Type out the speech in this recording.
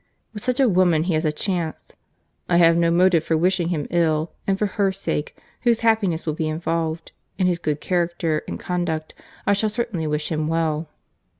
—With such a woman he has a chance.—I have no motive for wishing him ill—and for her sake, whose happiness will be involved in his good character and conduct, I shall certainly wish him well."